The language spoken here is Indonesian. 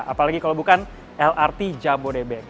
apalagi kalau bukan lrt jabodebek